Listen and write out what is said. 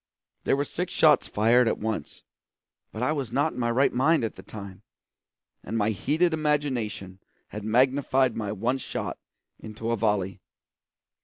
There were six shots fired at once; but I was not in my right mind at the time, and my heated imagination had magnified my one shot into a volley.